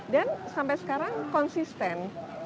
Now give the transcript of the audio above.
dan sampai sekarang konsisten